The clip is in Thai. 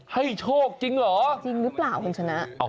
โชคจริงเหรอจริงหรือเปล่าคุณชนะ